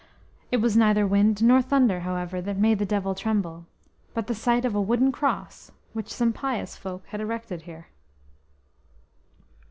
It was neither wind nor thunder, however, that made the Devil tremble, but the sight of a wooden cross which some pious folk had erected here.